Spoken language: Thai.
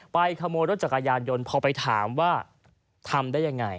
ขโมยรถจักรยานยนต์พอไปถามว่าทำได้ยังไง